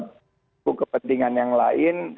buku kepentingan yang lain